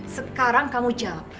sekarang kamu jawab